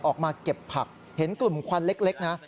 ออกมาเก็บผักเห็นกลุ่มควันเล็กนะ